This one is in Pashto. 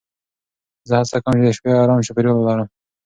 زه هڅه کوم چې د شپې ارام چاپېریال ولرم.